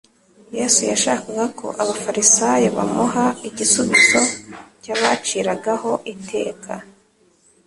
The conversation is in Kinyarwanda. Yesu yashakaga ko abafarisayo bamuha igisubizo cyabaciragaho iteka.